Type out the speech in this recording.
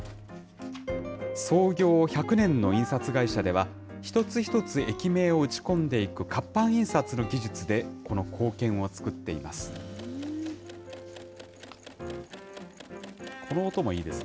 創業１００年の印刷会社では、一つ一つ駅名を打ち込んでいく活版印刷の技術で、この硬券を作っています。